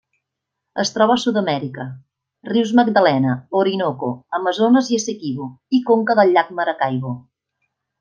Es troba a Sud-amèrica: rius Magdalena, Orinoco, Amazones i Essequibo, i conca del llac Maracaibo.